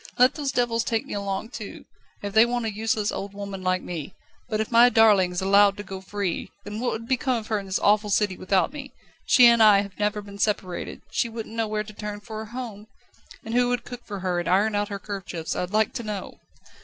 Let those devils take me along too, if they want a useless, old woman like me. But if my darling is allowed to go free, then what would become of her in this awful city without me? She and I have never been separated; she wouldn't know where to turn for a home. And who would cook for her and iron out her kerchiefs, I'd like to know?"